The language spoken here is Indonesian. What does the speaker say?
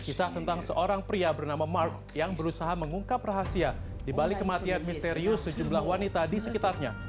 kisah tentang seorang pria bernama mark yang berusaha mengungkap rahasia dibalik kematian misterius sejumlah wanita di sekitarnya